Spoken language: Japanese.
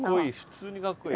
普通にかっこいい。